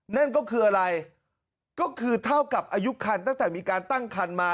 นั่นก็คืออะไรก็คือเท่ากับอายุคันตั้งแต่มีการตั้งคันมา